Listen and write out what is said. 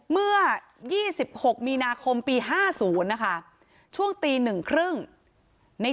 เมื่อยี่สิบหกมีนาคมปีห้าศูนย์นะคะช่วงตีหนึ่งครึ่งใน